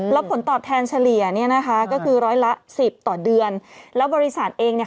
แล้วผลตอบแทนเฉลี่ยเนี่ยนะคะก็คือร้อยละสิบต่อเดือนแล้วบริษัทเองเนี่ย